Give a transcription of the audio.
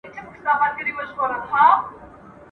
د زړه هيلي که مي